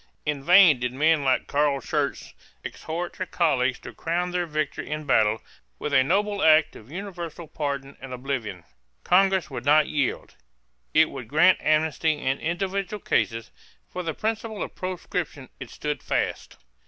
In vain did men like Carl Schurz exhort their colleagues to crown their victory in battle with a noble act of universal pardon and oblivion. Congress would not yield. It would grant amnesty in individual cases; for the principle of proscription it stood fast.